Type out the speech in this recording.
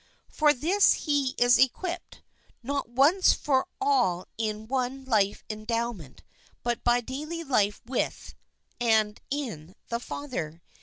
For this he is equipped: not once for all in one life endow ment, but by daily life with and in the Father.